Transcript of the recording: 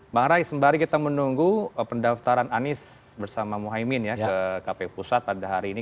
bang rai sembari kita menunggu pendaftaran anies bersama muhaymin ya ke kpu pusat pada hari ini